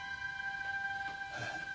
えっ？